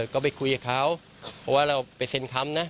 ก็ไปคุยกับเขาเพราะว่าเราไปเซ็นคำนะ